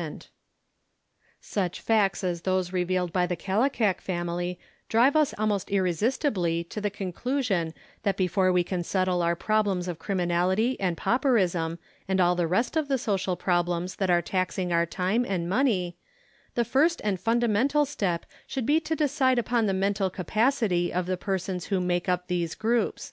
60 THE KALLIKAK FAMILY Such facts as those revealed by the Kallikak family drive us almost irresistibly to the conclusion that be fore we can settle our problems of criminality and paup erism and all the rest of the social problems that are taxing our time and money, the first and fundamental step should be to decide upon the mental capacity of the persons who make up these groups.